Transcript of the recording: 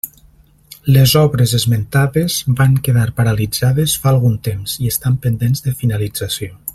Les obres esmentades van quedar paralitzades fa algun temps i estan pendents de finalització.